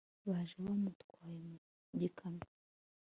baje bamutwaye mu gikamyo